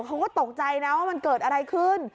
เขาก็ตกใจนะว่ามันเกิดอะไรขึ้น